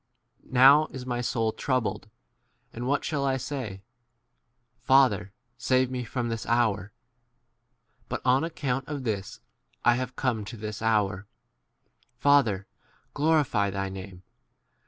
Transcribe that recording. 27 Now is my soul troubled, and what shall I say ? Father, save me from this hour. But on ac count of this I have come to this 28 hour. Father, glorify thy name.